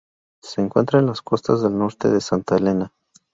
Se encuentra en las costas del norte de Santa Helena.